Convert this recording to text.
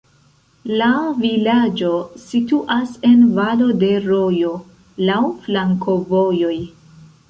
La vilaĝo situas en valo de rojo, laŭ flankovojoj.